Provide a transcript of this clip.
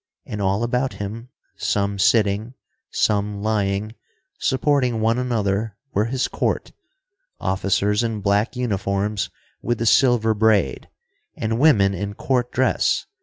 And all about him, some sitting, some lying, supporting one another, were his court, officers in black uniforms with the silver braid, and women in court dress.